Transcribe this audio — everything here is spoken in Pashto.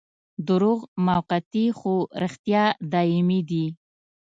دروغ موقتي خو رښتیا دايمي دي.